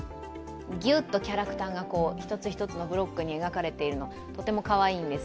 ギュッとキャラクターが１つ１つのブロックに分かれていてとてもかわいいです。